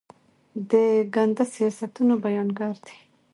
د ګنده سیاستونو بیانګر دي.